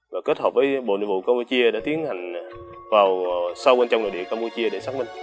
và kết hợp với bộ nội vụ campuchia đã tiến hành vào sâu bên trong nội địa campuchia để xác minh